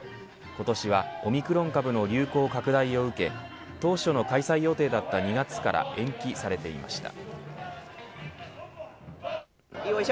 今年はオミクロン株の流行拡大を受け当初の開催予定だった２月から延期されていました。